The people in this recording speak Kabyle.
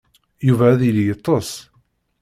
Yuba ad yili yeṭṭes.